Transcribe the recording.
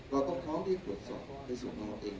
เราก็คร้อมที่จะปรวจสอบเฉพาะเอง